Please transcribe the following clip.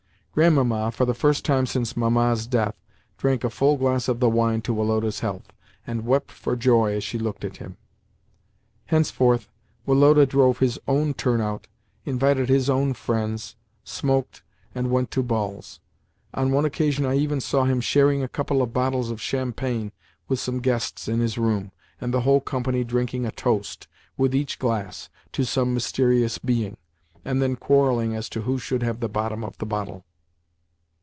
Grandmamma, for the first time since Mamma's death, drank a full glass of the wine to Woloda's health, and wept for joy as she looked at him. Henceforth Woloda drove his own turn out, invited his own friends, smoked, and went to balls. On one occasion, I even saw him sharing a couple of bottles of champagne with some guests in his room, and the whole company drinking a toast, with each glass, to some mysterious being, and then quarrelling as to who should have the bottom of the bottle!